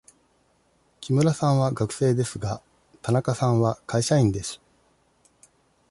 木村さんは学生ですが、田中さんは会社員です。